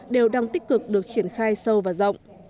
đều đang tích cực được triển khai sâu và rộng